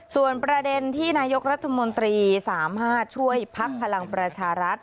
ส่วนประเด็นที่นายกรัฐมนตรีสามารถช่วยพักพลังประชารัฐ